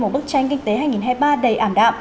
một bức tranh kinh tế hai nghìn hai mươi ba đầy ảm đạm